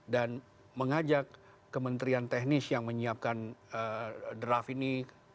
dan mengajak kementerian teknis yang menyiapkan draft ini